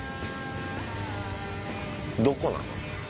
どこなの？